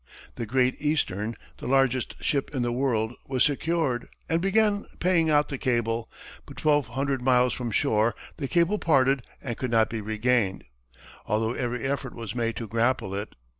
The "Great Eastern," the largest ship in the world, was secured, and began paying out the cable; but twelve hundred miles from shore the cable parted and could not be regained, although every effort was made to grapple it.